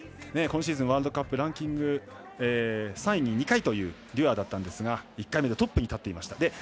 今シーズンワールドカップランキング３位に２回というデュアーだったんですが１回目でトップに立っていました。